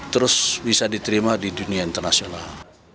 terus bisa diterima di dunia internasional